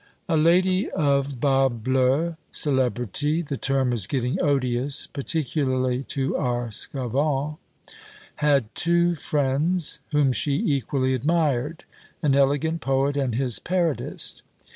A Lady of bas bleu celebrity (the term is getting odious, particularly to our sçavantes) had two friends, whom she equally admired an elegant poet and his parodist.